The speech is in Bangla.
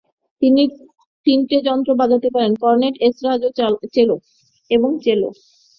তিনি তিনটে যন্ত্র বাজাতে পারেন, কর্নেট, এসরাজ এবং চেলো।